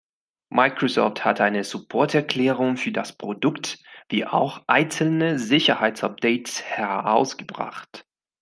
Microsoft hat eine Support-Erklärung für das Produkt wie auch einzelne Sicherheitsupdates herausgebracht.